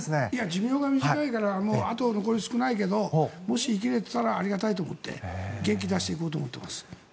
寿命が短いからあと残り少ないけどもし、生きられてたらありがたいと思って元気出していこうと思っています。